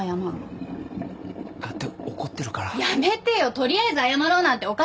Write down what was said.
取りあえず謝ろうなんておかしいよ。